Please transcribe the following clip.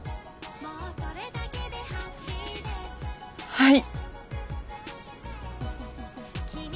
はい。